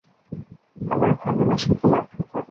আমার ভালোবাসাকে রক্ষা কোরো।